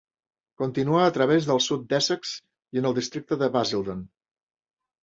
Continua a través del sud d'Essex i en el districte de Basildon.